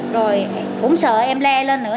rồi cũng sợ em le lên nữa